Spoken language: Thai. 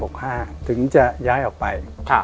ก็ย้ายออกไป